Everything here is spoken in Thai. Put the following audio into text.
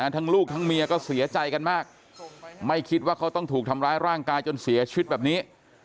ทั้งลูกทั้งเมียก็เสียใจกันมากไม่คิดว่าเขาต้องถูกทำร้ายร่างกายจนเสียชีวิตแบบนี้